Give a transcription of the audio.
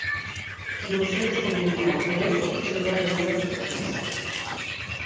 El Museo Experimental El Eco es un lugar de encuentro para las artes.